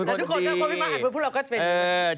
แต่ทุกคนก็พูดว่าพี่ม้ากันพูดว่าก็เป็น